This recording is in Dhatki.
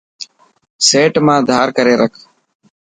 سيٽ مان ڌار ڪري رک.